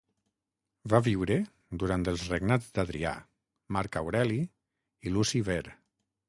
Va viure durant els regnats d’Adrià, Marc Aureli i Luci Ver.